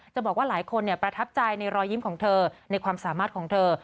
บอกว่าหลายคนประทับใจในรอยยิ้มของเธอในความสามารถของเธอ